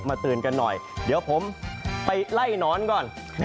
เตือนกันหน่อยเดี๋ยวผมไปไล่นอนก่อน